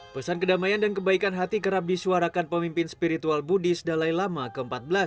pesan kedamaian dan kebaikan hati kerap disuarakan pemimpin spiritual buddhis dalai lama ke empat belas